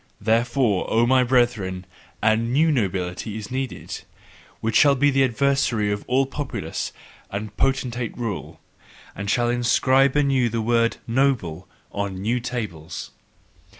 Therefore, O my brethren, a NEW NOBILITY is needed, which shall be the adversary of all populace and potentate rule, and shall inscribe anew the word "noble" on new tables.